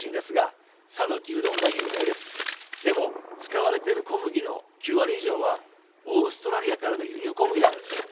でも、使われてる小麦の９割以上はオーストラリアからの輸入小麦なんですよ。